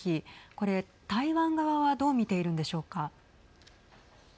これ、台湾側はどう見ているんでしょうか。